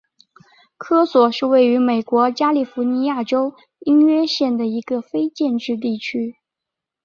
科索是位于美国加利福尼亚州因约县的一个非建制地区。